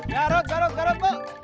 garut garut garut